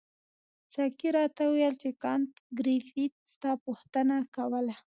ساقي راته وویل چې کانت ګریفي ستا پوښتنه کوله.